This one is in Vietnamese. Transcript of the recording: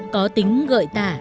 có tính gợi tả